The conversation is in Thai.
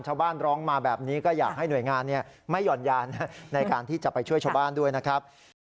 ร้องมาแบบนี้ก็อยากให้หน่วยงานไม่หย่อนยานในการที่จะไปช่วยชาวบ้านด้วยนะครับ